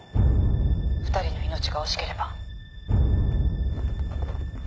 ２人の命が惜しければ。